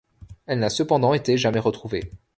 Elle n’a cependant été jamais retrouvée.